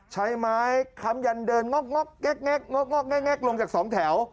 ใช้ไม้ค้ำยันเดินงอกแงกลงจากสองแถว